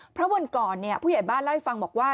เพราะวันก่อนผู้ใหญ่บ้านเล่าให้ฟังบอกว่า